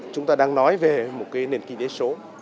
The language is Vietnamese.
chúng ta đang nói về một nền kỳ đế số